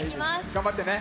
頑張ってね。